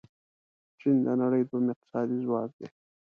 چین د نړۍ دویم اقتصادي ځواک دی.